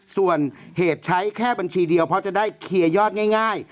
ส่วนเหตุใช้แค่บัญชีเดียวเพราะจะได้เคลียร์ยอดง่าย